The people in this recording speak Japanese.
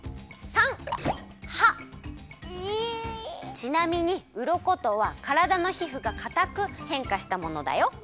ちなみにうろことはからだのひふがかたくへんかしたものだよ。